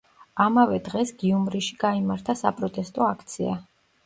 ამავე დღეს გიუმრიში გაიმართა საპროტესტო აქცია.